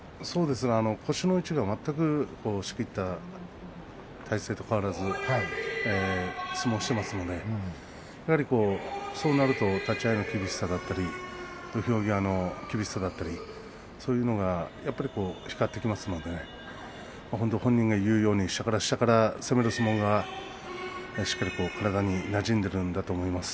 腰の位置が全く仕切った体勢と変わらず相撲をしていますのでそうなると立ち合いの厳しさだったり土俵際の厳しさだったりそういうのが光ってきますので本人が言うように下から下から攻める相撲がしっかり体になじんでいるんだと思います。